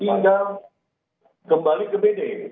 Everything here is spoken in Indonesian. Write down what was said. tinggal kembali ke bd